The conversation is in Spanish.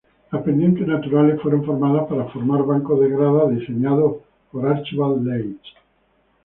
Las pendientes naturales fueron formadas para formar bancos de gradas, diseñado por Archibald Leitch.